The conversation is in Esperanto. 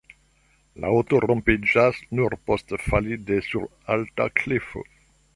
La aŭto rompiĝas nur post fali de sur alta klifo.